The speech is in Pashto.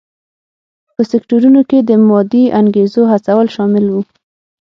په سکتورونو کې د مادي انګېزو هڅول شامل و.